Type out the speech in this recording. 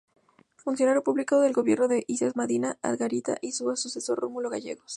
Funcionario público en el gobierno de Isaías Medina Angarita y su sucesor Rómulo Gallegos.